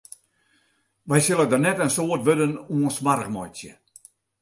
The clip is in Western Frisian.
Wy sille der net in soad wurden oan smoarch meitsje.